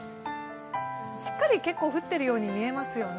しっかり結構降ってるように見えますよね。